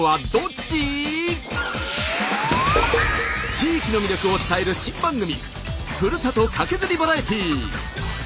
地域の魅力を伝える新番組